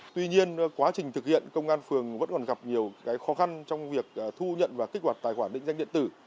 tuy nhiên quá trình thực hiện công an phường vẫn còn gặp nhiều khó khăn trong việc thu nhận và kích hoạt tài khoản định danh điện tử